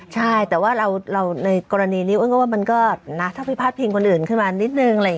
ใช่แต่ว่าเราในกรณีนี้ถ้าไปพาดเพียงคนอื่นขึ้นมานิดนึง